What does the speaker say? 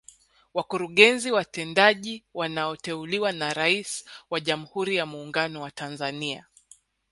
Wakurugenzi watendaji wanaoteuliwa na Rais wa Jamhuri ya Muungano wa Tanzania